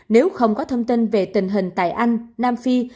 nếu không có thông tin về tình hình tại anh nam phi